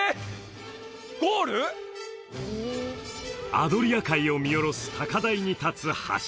アドリア海を見下ろす高台に立つ柱